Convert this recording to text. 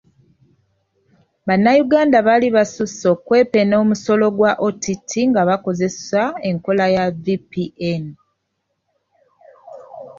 Bannayuganda baali basusse okwepena omusolo gwa OTT nga bakozesa enkola ya VPN.